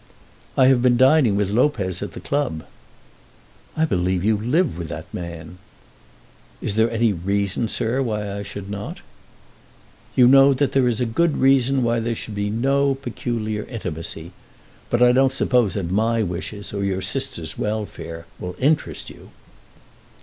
"I have been dining with Lopez at the club." "I believe you live with that man." "Is there any reason, sir, why I should not?" "You know that there is a good reason why there should be no peculiar intimacy. But I don't suppose that my wishes, or your sister's welfare, will interest you."